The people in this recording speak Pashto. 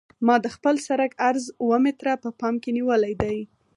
ما د خپل سرک عرض اوه متره په پام کې نیولی دی